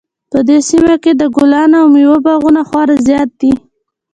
په دې سیمه کې د ګلانو او میوو باغونه خورا زیات دي